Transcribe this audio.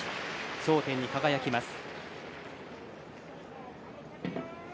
頂点に輝きます。